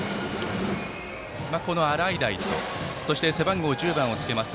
この洗平と背番号１０番をつけます